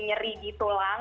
nyeri di tulang